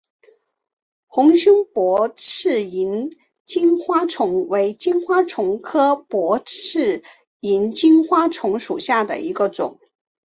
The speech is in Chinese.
红胸薄翅萤金花虫为金花虫科薄翅萤金花虫属下的一个种。